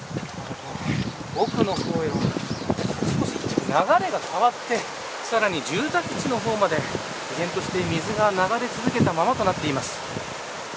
奥の方は流れが変わって住宅地の方まで依然として水が流れ続けたままとなっています。